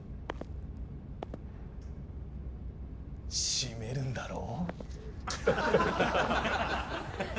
閉めるんだろ？